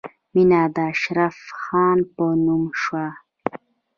مینه د اشرف خان په نوم شوه